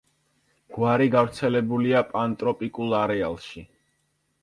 გვარი გავრცელებულია პანტროპიკულ არეალში.